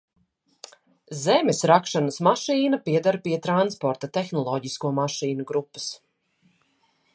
Zemes rakšanas mašīna pieder pie transporta tehnoloģisko mašīnu grupas.